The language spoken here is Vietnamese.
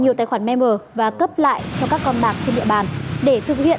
nhiều tài khoản memer và cấp lại cho các con bạc trên địa bàn để thực hiện